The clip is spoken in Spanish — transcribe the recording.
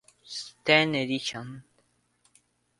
Ten Edition.